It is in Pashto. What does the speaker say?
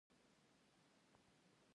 ډيپلومات د خبرو اترو له لارې حل لارې لټوي.